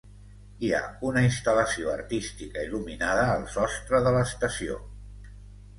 Hi ha una instal·lació artística il·luminada al sostre de l'estació.